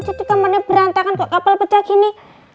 jadi kamarnya berantakan kok kapal pecah gini